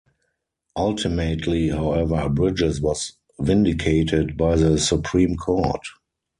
Ultimately, however, Bridges was vindicated by the Supreme Court.